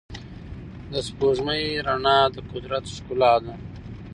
د سپوږمۍ رڼا د قدرت ښکلا ده.